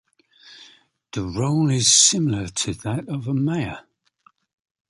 The role is similar to that of a mayor.